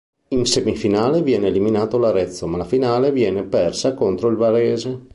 In semifinale viene eliminato l'Arezzo, ma la finale viene persa contro il Varese.